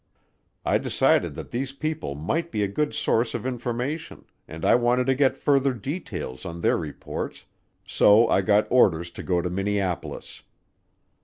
I decided that these people might be a good source of information, and I wanted to get further details on their reports, so I got orders to go to Minneapolis.